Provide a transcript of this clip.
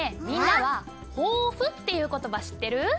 みんなは抱負っていう言葉知ってる？